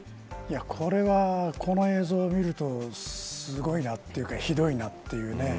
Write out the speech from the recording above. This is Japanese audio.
これは、この映像を見るとすごいなというかひどいなというね